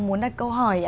muốn đặt câu hỏi